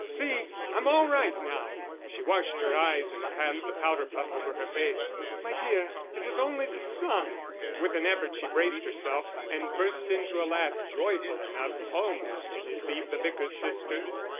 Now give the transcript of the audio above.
See, I'm all right now." She washed her eyes and passed the powder puff over her face. "My dear, it was only the sun." With an effort she braced herself, and burst into a laugh joyful enough almost to deceive the Vicar's sister.